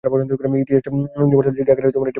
ইতালিতে universal CD আকারে এটি প্রকাশ করে।